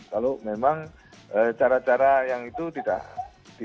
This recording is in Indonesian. kalau memang cara cara yang itu tidak